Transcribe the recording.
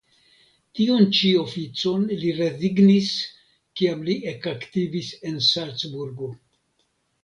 Tiun ĉi oficon li rezignis kiam li ekaktivis en Salcburgo.